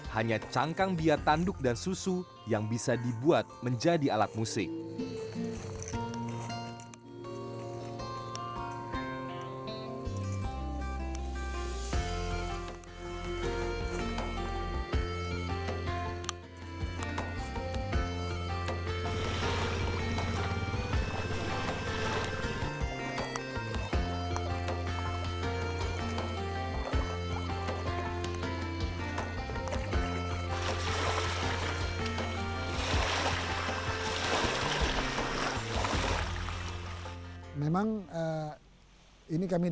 hanya cangkang biar tanduk dan susu yang bisa dibuat menjadi alat musik